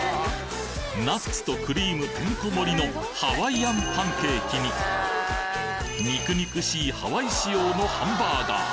ナッツとクリームてんこ盛りのハワイアンパンケーキに肉々しいハワイ仕様のハンバーガー